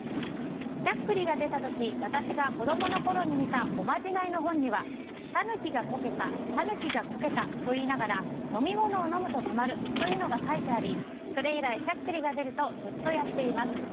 しゃっくりが出た時私が子供の時に見たおまじないの本にはタヌキがこけたタヌキがこけたといいながら飲み物を飲むと止まるというのが書いてありそれ以来、しゃっくりが出るとずっとやっています。